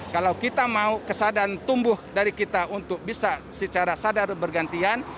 kalau kita mau kesadaran tumbuh dari kita untuk bisa secara sadar bergantian